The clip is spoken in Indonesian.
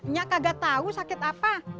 nya kagak tahu sakit apa